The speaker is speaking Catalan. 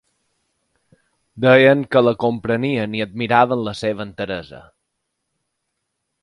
Deien que la comprenien i admiraven la seva enteresa.